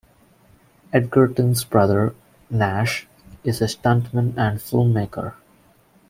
Edgerton's brother, Nash, is a stuntman and filmmaker.